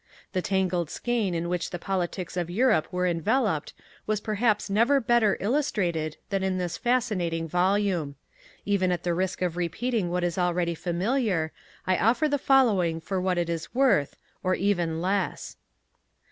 The tangled skein in which the politics of Europe are enveloped was perhaps never better illustrated than in this fascinating volume. Even at the risk of repeating what is already familiar, I offer the following for what it is worth or even less.